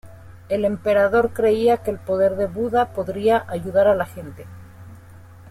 El emperador creía que el poder de Buda podría ayudar a la gente.